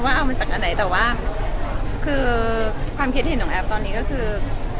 ว่าเอามาจากอันไหนแต่ว่าคือความคิดเห็นของแอฟตอนนี้ก็คือ